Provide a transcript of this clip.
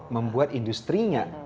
membuat industri nya